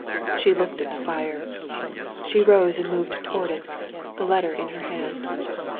She looked at the fire. She rose and moved towards it, the letter in her hand.